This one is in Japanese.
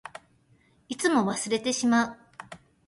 いつも忘れてしまう。